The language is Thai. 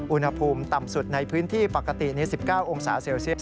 อุณหภูมิต่ำสุดในพื้นที่ปกติ๑๙องศาเซลเซียส